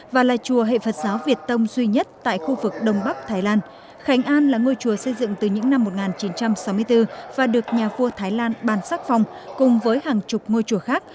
một trong hai mươi một ngôi chùa việt tông duy nhất tại khu vực đông bắc thái lan khánh an là ngôi chùa xây dựng từ những năm một nghìn chín trăm sáu mươi bốn và được nhà vua thái lan bàn sắc phòng cùng với hàng chục ngôi chùa khác